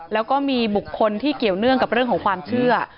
แล้วก็มีบุคคลที่เกี่ยวเนื่องกับเรื่องของความเชื่อ